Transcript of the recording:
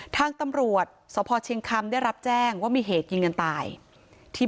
ทางตำรวจสพเชียงคำได้รับแจ้งว่ามีเหตุยิงกันตายที่